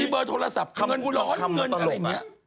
มีเบอร์โทรศัพท์เงินร้อนเงินอะไรเงี้ย